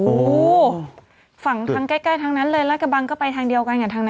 โอ้โหฝั่งทางใกล้ทั้งนั้นเลยลากระบังก็ไปทางเดียวกันกับทางนั้น